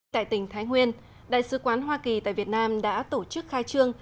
tại tỉnh thái nguyên đại sứ quán hoa kỳ tại việt nam đã tổ chức khai trương